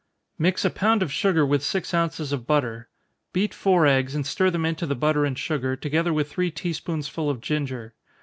_ Mix a pound of sugar with six ounces of butter. Beat four eggs, and stir them into the butter and sugar, together with three tea spoonsful of ginger.